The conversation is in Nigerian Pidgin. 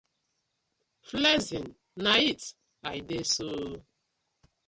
Flexing na it I dey so ooo.